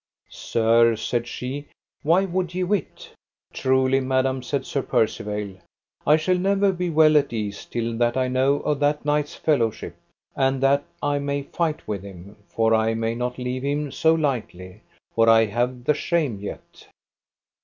Sir, said she, why would ye wit? Truly, madam, said Sir Percivale, I shall never be well at ease till that I know of that knight's fellowship, and that I may fight with him, for I may not leave him so lightly, for I have the shame yet.